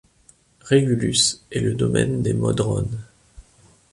Régulus est le domaine des modrones.